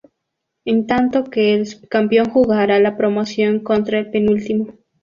En tanto que el subcampeón jugará la promoción contra el penúltimo.